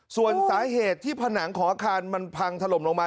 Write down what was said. ส่วนสาเหตุที่ผนังของอาคารมันพังถล่มลงมา